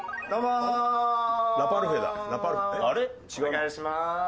お願いします。